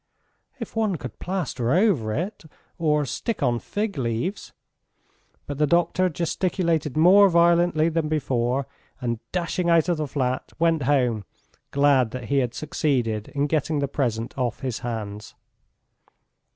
"If one could plaster it over or stick on fig leaves ..." But the doctor gesticulated more violently than before, and dashing out of the flat went home, glad that he had succeeded in getting the present off his hands.